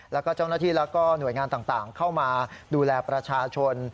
แล้วก็เจ้าหน้าที่แล้วก็หน่วยงานต่างเข้ามาดูแลประชาชน